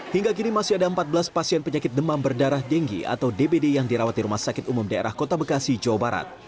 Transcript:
hingga kini masih ada empat belas pasien penyakit demam berdarah denggi atau dbd yang dirawat di rumah sakit umum daerah kota bekasi jawa barat